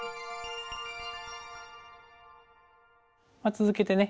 続けてね